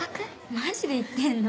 マジで言ってんの？